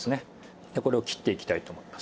そしたらこれを切っていきたいと思いますね。